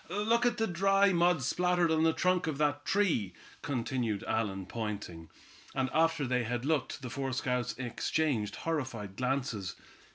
"Look at the dry mud splattered on the trunk of that tree;" continued Allan, pointing. And after they had looked, the four scouts exchanged horrified glances.